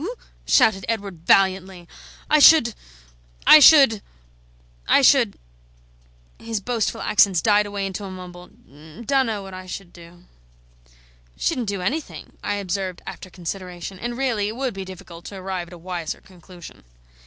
shouted Edward, valiantly, "I should I should I should " His boastful accents died away into a mumble: "Dunno what I should do." "Shouldn't do anything," I observed after consideration; and really it would be difficult to arrive at a wiser conclusion.